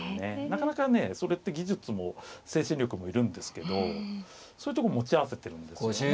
なかなかねそれって技術も精神力も要るんですけどそういうとこ持ち合わせてるんですよね。